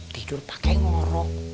tidur pakai ngorok